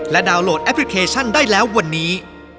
ดาวน์โหลดแอปพลิเคชันได้แล้ววันนี้